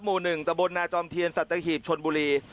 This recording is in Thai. หมู่หนึ่งตะบนนาจอมเทียนสัตว์ตะหีบชนบุรี